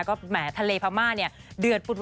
ก็แหมอิธาเลพระมาเนี่ยเดือดปุ่ด